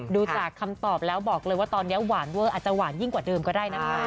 ดูจากคำตอบแล้วบอกเลยว่าตอนนี้หวานเวอร์อาจจะหวานยิ่งกว่าเดิมก็ได้นะคะ